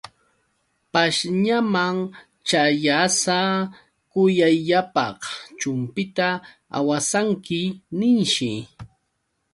Pashñaman ćhayasa: Kuyayllapaq chumpita awasanki, ninshi.